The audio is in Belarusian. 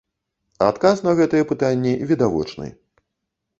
Адказ на гэтыя пытанні відавочны.